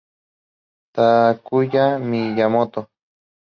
Takuya Miyamoto